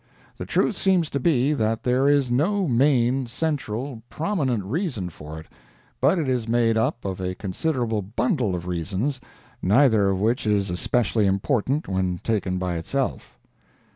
The truth seems to be that there is no main, central, prominent reason for it, but it is made up of a considerable bundle of reasons, neither of which is especially important when taken by itself.